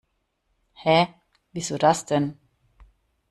Hä, wieso das denn?